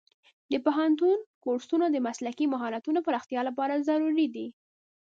د پوهنتون کورسونه د مسلکي مهارتونو پراختیا لپاره ضروري دي.